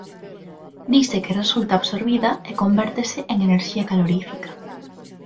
Dise que resulta absorbida e convértese en enerxía calorífica.